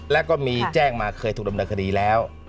แล้วก็มีแจ้งมาเคยถูกดำเนินคดีแล้ว